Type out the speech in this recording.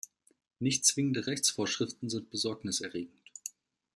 Nicht zwingende Rechtsvorschriften sind besorgniserregend.